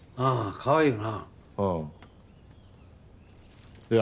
かわいいよな。